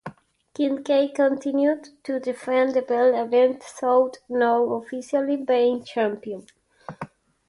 Kincade continued to defend the belt even though not officially being champion.